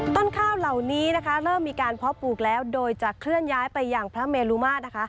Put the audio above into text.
ต้นข้าวเหล่านี้นะคะเริ่มมีการเพาะปลูกแล้วโดยจะเคลื่อนย้ายไปอย่างพระเมลุมาตรนะคะ